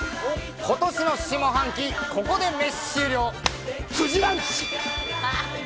今年の下半期、ここで飯終了、冨士ランチ。